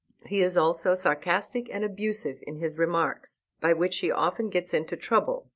He is also sarcastic and abusive in his remarks, by which he often gets into trouble.